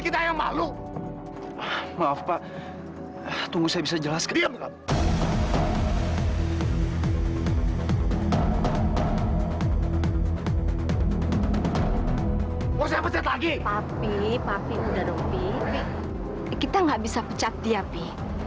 kita nggak bisa pecat dia pi